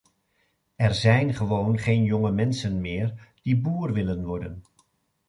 Er zijn gewoon geen jonge mensen meer die boer willen worden.